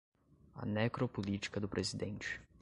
A necropolítica do presidente